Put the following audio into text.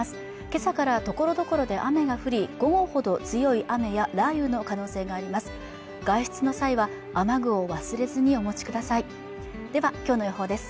今朝からところどころで雨が降り午後ほど強い雨や雷雨の可能性があります